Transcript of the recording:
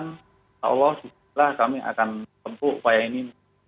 insya allah disitulah kami akan tempuh upaya ini